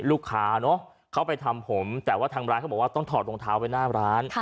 ลูกค้าเนอะเขาไปทำผมแต่ว่าทางร้านเขาบอกว่าต้องถอดรองเท้าไว้หน้าร้าน